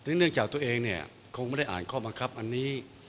เนื่องจากตัวเองเนี่ยคงไม่ได้อ่านข้อบังคับอันนี้